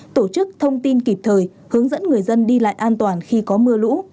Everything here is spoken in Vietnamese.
tổ chức thông tin kịp thời hướng dẫn người dân đi lại an toàn khi có mưa lũ